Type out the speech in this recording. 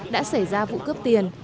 đã xảy ra vụ cướp tiền